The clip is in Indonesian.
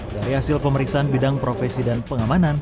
dari hasil pemeriksaan bidang profesi dan pengamanan